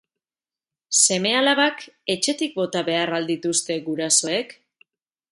Seme-alabak etxetik bota behar al dituzte gurasoek?